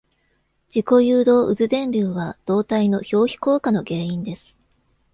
自己誘導渦電流は、導体の表皮効果の原因です。